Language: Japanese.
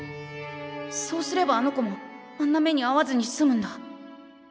そうすればあの子もあんな目にあわずに済むんだ。